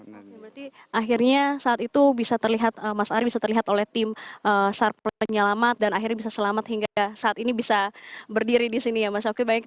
berarti akhirnya saat itu bisa terlihat mas ari bisa terlihat oleh tim sar penyelamat dan akhirnya bisa selamat hingga saat ini bisa berdiri di sini ya mas oki